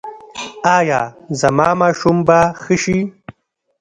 ایا زما ماشوم به ښه شي؟